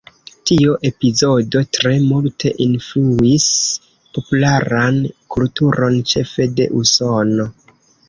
Tio epizodo tre multe influis popularan kulturon, ĉefe de Usono.